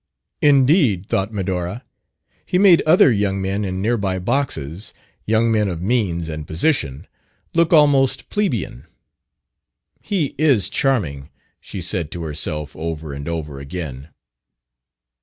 Indeed, thought Medora, he made other young men in nearby boxes young men of "means" and "position" look almost plebian. "He is charming," she said to herself, over and over again.